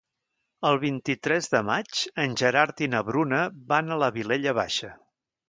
El vint-i-tres de maig en Gerard i na Bruna van a la Vilella Baixa.